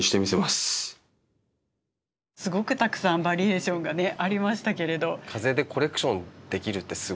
すごくたくさんバリエーションがねありましたけれど。